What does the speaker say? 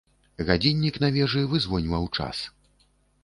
Гадзіннік на вежы вызвоньваў час.